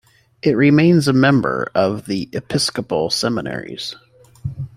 It remains a member of the Episcopal seminaries.